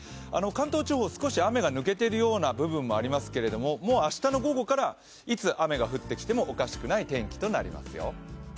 関東地方、少し雨が抜けているような部分もありますけれども、もう明日の午後からいつ雨が降ってきてもおかしくない天気になりますよ。